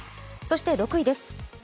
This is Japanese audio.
そして６位です。